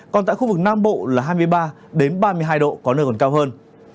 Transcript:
còn tại khu vực nam bộ là hai mươi ba ba mươi hai độ có nơi còn cao hơn